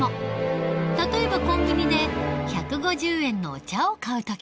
例えばコンビニで１５０円のお茶を買う時。